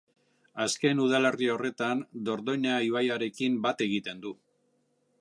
Azken udalerri horretan Dordoina ibaiarekin bat egiten du.